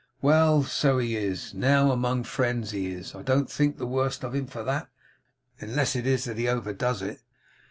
Well, so he is. Now, among friends, he is. I don't think the worse of him for that, unless it is that he overdoes it.